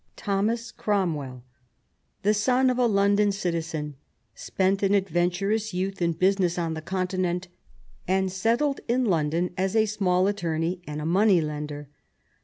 Thomas Cromwell, the son of a London citizen, spent an adventurous youth in business on the Continent, and settled in London as a small attorney and a money lender.